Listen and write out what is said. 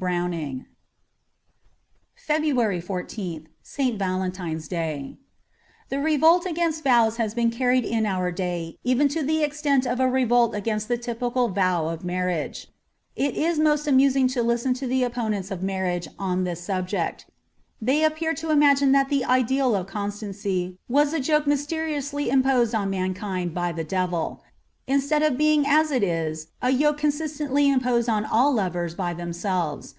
^Browning.'' 4^ J FEBRUARY 14th 57. VALENTINE'S DAY THE rerolt against tows has been carried in our day emsx to the eztait of a rerolt against the tjpical TOW of marriage. It is most amusing to listeo to the cqiponents of marriage on this sabjecL Tbey appear to imagine that the ideal of constancy was a joke mystnioasly imposed on qMnV^n<^ by the deril, instpa<1 of bong as it is a yoke consistently fmi>osed on aH lors^ by tbem> selres.